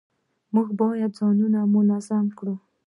موږ باید ځانونه منظم کړو